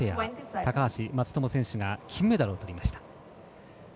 高橋、松友選手が金メダルをとりました。